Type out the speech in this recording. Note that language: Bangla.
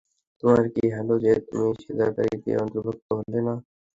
তোমার কি হলো যে, তুমি সিজদাকারীদের অন্তর্ভুক্ত হলে না?